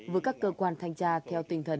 với các cơ quan thanh tra theo tinh thần